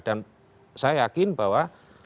dan saya yakin bahwa